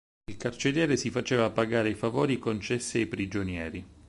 Il carceriere si faceva pagare i favori concessi ai prigionieri.